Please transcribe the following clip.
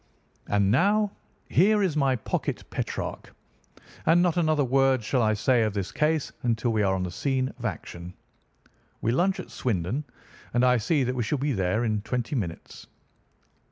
And now here is my pocket Petrarch, and not another word shall I say of this case until we are on the scene of action. We lunch at Swindon, and I see that we shall be there in twenty minutes."